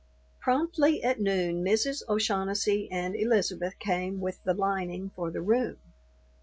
Promptly at noon Mrs. O'Shaughnessy and Elizabeth came with the lining for the room.